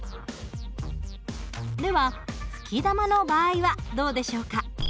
では吹き玉の場合はどうでしょうか？